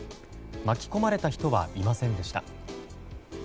巻き込まれた人はいませんでした。